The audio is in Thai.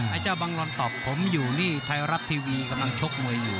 ไอ้เจ้าบังลอนตอบผมอยู่นี่ไทยรัฐทีวีกำลังชกมวยอยู่